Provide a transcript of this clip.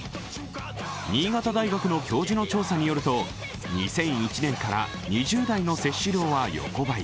新潟大学の調査によると２００１年から２０代の摂取量は横ばい。